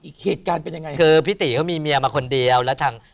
อีกเหตุการณ์เป็นยังไงคือพี่ตีเขามีเมียมาคนเดียวแล้วทาง